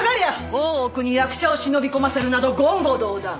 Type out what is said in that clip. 大奥に役者を忍び込ませるなど言語道断。